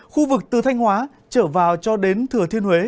khu vực từ thanh hóa trở vào cho đến thừa thiên huế